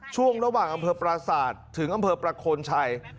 ช่วงระหว่างอำเภอปราศาสตร์ถึงอำเภอประโคนชัย